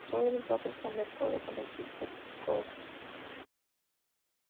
Todos los datos están de acuerdo con el sitio Discogs.